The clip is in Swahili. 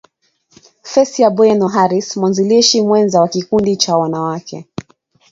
Facia Boyenoh Harris mwanzilishi mwenza wa kikundi cha wanawake